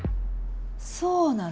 そうなの？